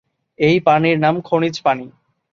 এই পানির নাম খনিজ পানি।